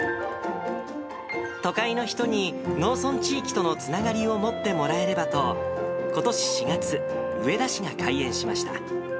都会の人に農村地域とのつながりを持ってもらえればと、ことし４月、上田市が開園しました。